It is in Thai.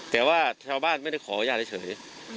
แต่ว่าชาวบ้านไม่ได้ขออนุญาตเฉย